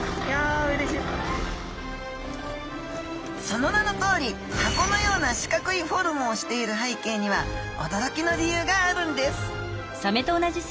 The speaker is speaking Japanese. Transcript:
その名のとおり箱のような四角いフォルムをしている背景にはおどろきの理由があるんです！